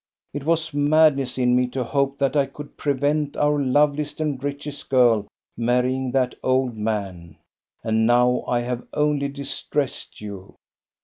It was madness in me to hope that I could prevent our loveliest and richest girl marry ing that old man. And now I have only distressed you."